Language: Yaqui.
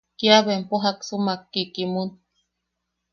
Kia bempo jaksumak kikimun.